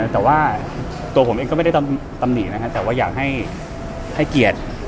แต่ว่าตัวผมเองก็ไม่ได้ตำหนินะครับแต่ว่าอยากให้เกียรติ